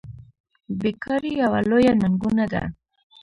بیکاري یوه لویه ننګونه ده.